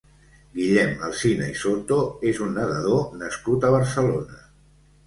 Guillem Alsina i Soto és un nedador nascut a Barcelona.